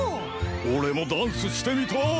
オレもダンスしてみたい！